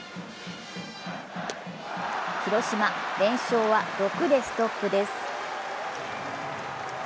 広島、連勝は６でストップです。